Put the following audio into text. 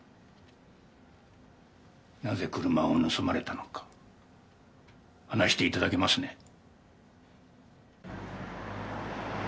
なぜ車を盗まれたのか話していただけますね？